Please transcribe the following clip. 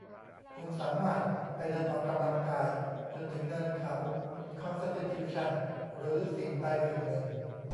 คุณสามารถไปเดินออกกำลังกายจนถึงเนินเขาคอนสติทิวชั่นหรือสิ่งใดสิ่งหนึ่ง